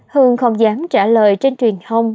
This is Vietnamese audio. hương không dám trả lời trên truyền hông